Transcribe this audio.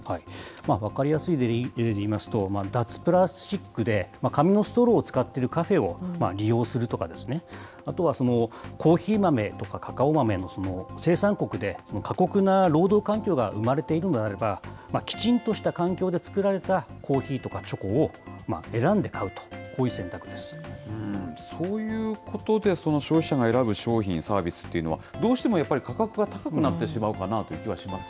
分かりやすい例でいいますと、脱プラスチックで紙のストローを使っているカフェを利用するとか、あとはコーヒー豆とかカカオ豆の生産国で、過酷な労働環境が生まれているのであれば、きちんとした環境で作られたコーヒーとかチョコを選んで買うと、そういうことで、消費者が選ぶ商品、サービスっていうのは、どうしてもやっぱり価格が高くなってしまうかなという気はします